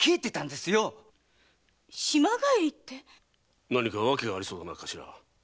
“島帰り”って⁉何か訳がありそうだな頭。